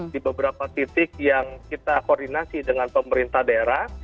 di beberapa titik yang kita koordinasi dengan pemerintah daerah